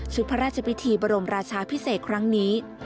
พระราชพิธีบรมราชาพิเศษครั้งนี้